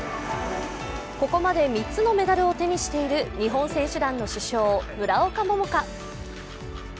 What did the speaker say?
ここまで３つのメダルを手にしている日本選手団の主将・村岡桃佳。